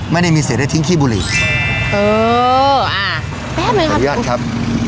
ไม่ได้มีเสร็จได้ทิ้งขี้บุหรี่เอออ่าแป๊บเลยค่ะขออนุญาตครับ